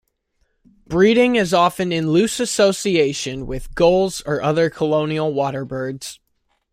Breeding is often in loose association with gulls or other colonial water birds.